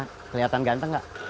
oh ya teman antara pergi oleh teman